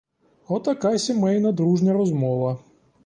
Отака сімейна, дружня розмова!